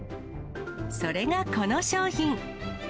それがこの商品。